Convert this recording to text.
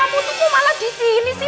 kamu tuh malah disini sih